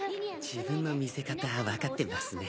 自分の見せ方分かってますね。